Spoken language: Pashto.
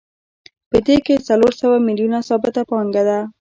په دې کې څلور سوه میلیونه ثابته پانګه ده